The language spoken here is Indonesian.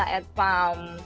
dan ada ed palm